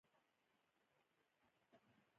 د افغانستان بیرغ کوم رنګونه لري؟